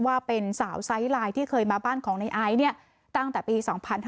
ว่าเป็นสาวไซส์ไลน์ที่เคยมาบ้านของในไอซ์ตั้งแต่ปี๒๕๕๙